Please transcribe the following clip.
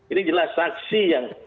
ini jelas saksi yang